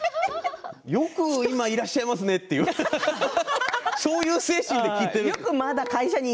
よく今いらっしゃいますねってそういう精神で聞いているんです。